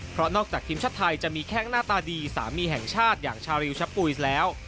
เพราะนอกจากทีมชาติไทยจะมีแข้งหน้าตาดีสามีแห่งชาติอย่างชาริวชะปุยสแล้ว